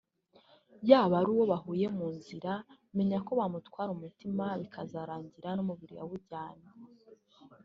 yaba ari uwo bahuye mu nzira menya ko yamutwara umutima bikazarangira n´umubiri awujyanye